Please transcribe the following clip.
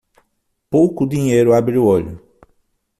Pouco dinheiro abre o olho.